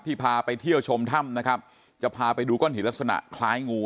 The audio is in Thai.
พาไปเที่ยวชมถ้ำนะครับจะพาไปดูก้อนหินลักษณะคล้ายงู